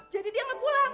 jadi dia mau pulang